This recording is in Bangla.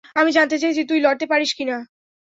আমি জানতে চেয়েছি - তুই লড়তে পারিস কিনা।